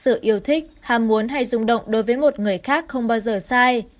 sự yêu thích ham muốn hay rung động đối với một người khác không bao giờ sai